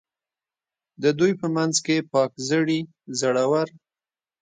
د دوی په منځ کې پاک زړي، زړه ور.